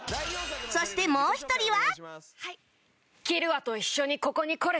そしてもう一人は